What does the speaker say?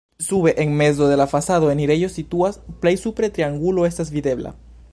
Sube en mezo de la fasado enirejo situas, plej supre triangulo estas videbla.